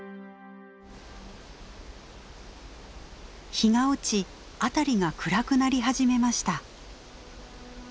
日が落ち辺りが暗くなり始めました。